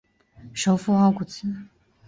首府奥古兹。